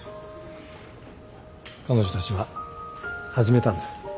彼女たちは始めたんです。